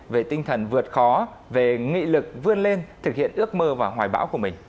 về tinh thần vượt khó về nghị lực vươn lên thực hiện ước mơ và hoài bão của mình